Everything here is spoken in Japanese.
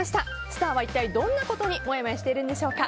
スターは一体どんなことにもやもやしているんでしょうか。